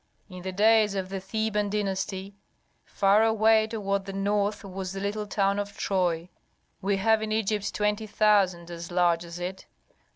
"In the days of the Theban dynasty, far away toward the north, was the little town of Troy. We have in Egypt twenty thousand as large as it.